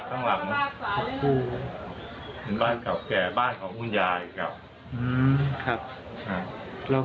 ปกติเขาอยู่บ้านเขาจะนอนดึก